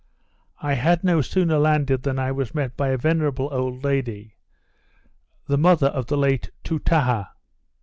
I had no sooner landed than I was met by a venerable old lady, the mother of the late Toutaha.